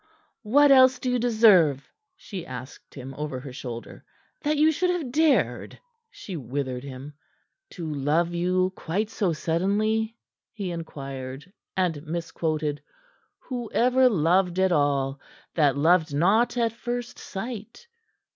"What else do you deserve?" she asked him over her shoulder. "That you should have dared!" she withered him. "To love you quite so suddenly?" he inquired, and misquoted: "'Whoever loved at all, that loved not at first sight?'